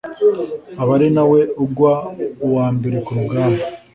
aba ari na we ugwa uwa mbere ku rugamba